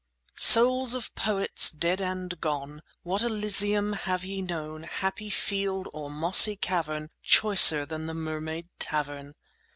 Souls of Poets dead and gone, What Elysium have ye known, Happy field or mossy cavern, Choicer than the Mermaid Tavern?